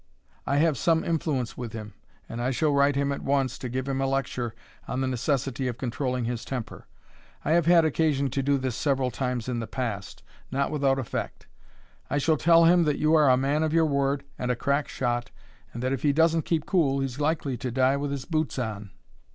I have some influence with him, and I shall write him at once and give him a lecture on the necessity of controlling his temper. I have had occasion to do this several times in the past, not without effect. I shall tell him that you are a man of your word, and a crack shot, and that if he doesn't keep cool he's likely to die with his boots on.